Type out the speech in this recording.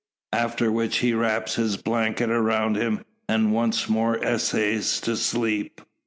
After which he wraps his blanket around him, and once more essays to sleep.